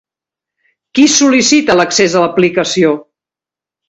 Qui sol·licita l'accés a l'aplicació?